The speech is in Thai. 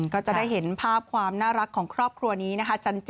ก็จะได้เห็นภาพความน่ารักของครอบครัวนี้นะคะ